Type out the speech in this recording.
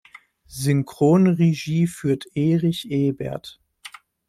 Synchronregie führte Erich Ebert.